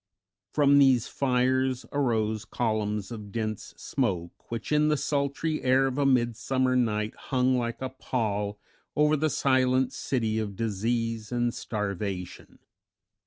From these fires arose columns of dense smoke, which in the sultry air of a midsummer night hung like a pall over the silent city of disease and starvation.